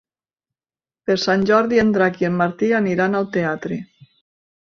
Per Sant Jordi en Drac i en Martí aniran al teatre.